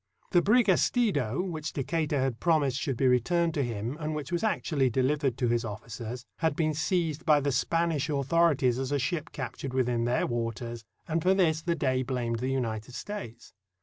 The brig Estido, which Decatur had promised should be returned to him, and which was actually delivered to his officers, had been seized by the Spanish authorities as a ship captured within their waters, and for this the Dey blamed the United States.